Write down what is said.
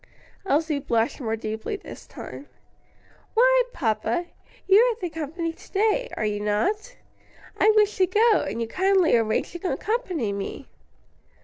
Elsie blushed more deeply this time. "Why, papa, you are the company to day, are you not? I wished to go, and you kindly arranged to accompany me."